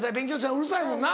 うるさいもんな。